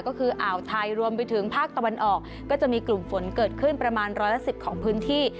ก็คืออ่าวไทยรวมไปถึงภาคตะวันออกก็จะมีกลุ่มฝนเกิดขึ้นประมาณร้อยละ๑๐ของพื้นที่